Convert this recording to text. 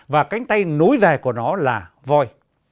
và cánh tay nối dài của nó là voi